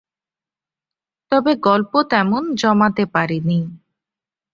তবে গল্প তেমন জমাতে পারি নি।